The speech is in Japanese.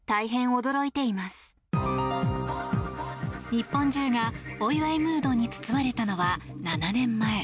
日本中が、お祝いムードに包まれたのは７年前。